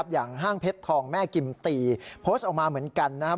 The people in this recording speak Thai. อย่างห้างเพชรทองแม่กิมตีโพสต์ออกมาเหมือนกันนะครับ